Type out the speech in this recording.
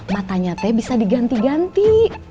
matanya teh bisa diganti ganti